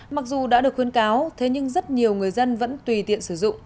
mặc dù đã được khuyến cáo thế nhưng rất nhiều người dân vẫn tùy tiện sử dụng